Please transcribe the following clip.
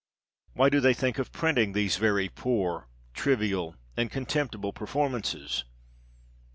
Why do they think of printing these very poor, trivial, and contemptible performances